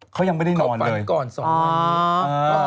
เขายังไม่ได้นอนเลย